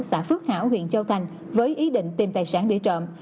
xã phước hảo huyện châu thành với ý định tìm tài sản để trộm